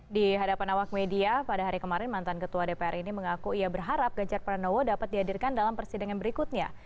di hadapan awak media pada hari kemarin mantan ketua dpr ini mengaku ia berharap ganjar pranowo dapat dihadirkan dalam persidangan berikutnya